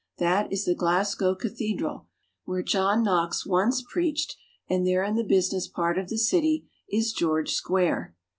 That is the Glasgow cathedral, where John Knox once preached, and there in the business part of the city is George Square.